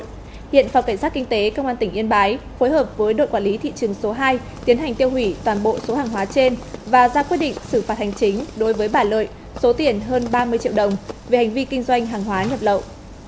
trước đó hiện phòng cảnh sát kinh tế công an tỉnh yên bái phối hợp với đội quản lý thị trường số hai tiến hành tiêu hủy toàn bộ số hàng hóa trên và ra quyết định xử phạt hành chính đối với bà lợi số tiền hơn ba mươi triệu đồng về hành vi kinh doanh hàng hóa nhập lậu